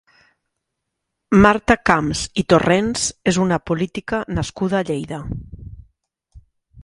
Marta Camps i Torrens és una política nascuda a Lleida.